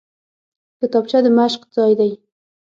کتابچه د مشق ځای دی